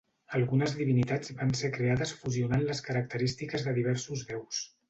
Algunes divinitats van ser creades fusionant les característiques de diversos déus.